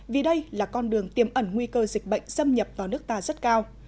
vì đây là con đường tiêm ẩn nguy cơ dịch bệnh xâm nhập vào nước ta rất cao